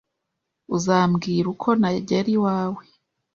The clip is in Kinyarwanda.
Uzambwira uko nagera iwawe?